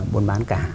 buôn bán cả